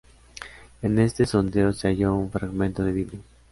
En este sondeo se halló un fragmento de vidrio.